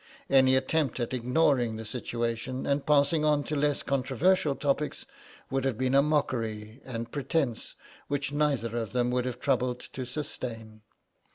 Any attempt at ignoring the situation, and passing on to less controversial topics would have been a mockery and pretence which neither of them would have troubled to sustain.